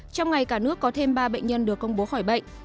trong ngày cả nước có thêm ba bệnh nhân được công bố khỏi bệnh